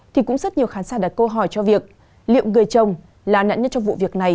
thì cũng rất nhiều khán giả đặt câu hỏi cho việc liệu người chồng là nạn nhân trong vụ việc này